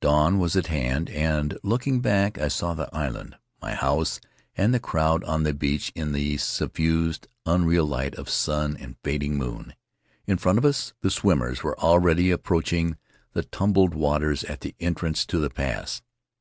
Dawn was at hand and, looking back, I saw the island, my house, and the crowd on the beach in the suffused, unreal light of sun and fading An Adventure in Solitude moon. In front of us the swimmers were already ap proaching the tumbled waters at the entrance to the pass.